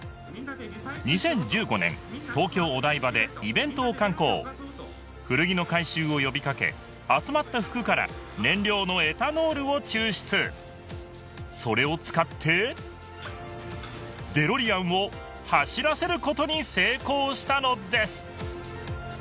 ２０１５年東京お台場でイベントを敢行古着の回収を呼びかけ集まった服から燃料のエタノールを抽出それを使ってデロリアンを走らせることに成功したのです！